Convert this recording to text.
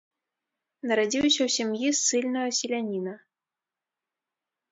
Нарадзіўся ў сям'і ссыльнага селяніна.